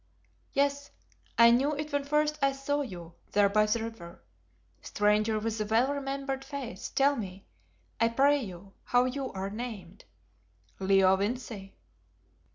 Yes; I knew it when first I saw you there by the river. Stranger with the well remembered face, tell me, I pray you, how you are named?" "Leo Vincey."